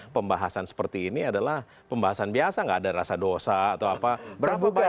pembahasan seperti ini adalah pembahasan biasa tidak ada rasa dosa atau apa berapa bayaran